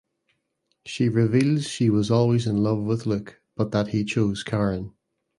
She reveals she was always in love with Luke but that he chose Karen.